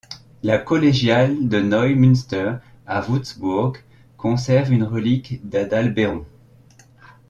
La collégiale de Neumünster à Wurtzbourg conserve une relique d'Adalbéron.